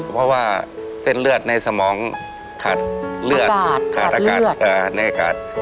เพราะว่าเต้นเลือดในสมองขาดเลือดขาดอากาศ